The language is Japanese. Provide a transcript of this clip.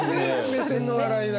目線の笑いだから。